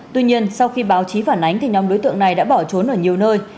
tuy nhiên sau khi báo chí phản ánh thì nhóm đối tượng này đã bỏ trốn ở nhiều nơi